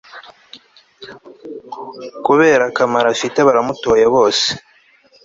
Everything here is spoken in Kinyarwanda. kubera akamaro afite baramutoye bose